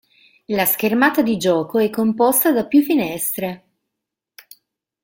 La schermata di gioco è composta da più finestre.